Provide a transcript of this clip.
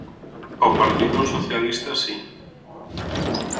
Ao Partido Socialista si.